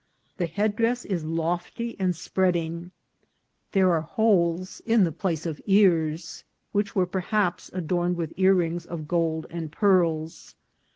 The headdress is lofty and spreading ; there are holes in the place of ears, which were perhaps adorned with earrings of gold and pearls.